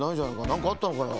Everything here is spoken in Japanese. なんかあったのかよ。